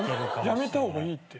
やめた方がいいって。